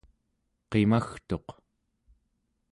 qimagtuq